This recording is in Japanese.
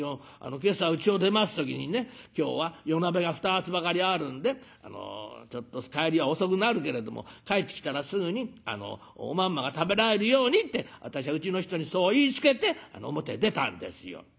今朝うちを出ます時にね今日は夜なべが２つばかりあるんでちょっと帰りは遅くなるけれども帰ってきたらすぐにおまんまが食べられるようにって私はうちの人にそう言いつけて表へ出たんですよ」。